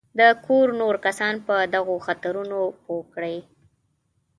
د کور نور کسان په دغو خطرونو پوه کړي.